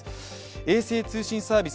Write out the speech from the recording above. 衛星通信サービス